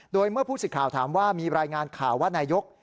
โดยเมื่อผู้สิทธิ์ข่าวถามว่ามีรายงานข่าวว่านายก